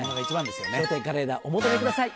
笑点カレンダーお求めください。